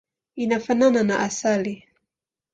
Inafanana na asali.